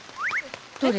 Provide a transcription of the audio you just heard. どれ？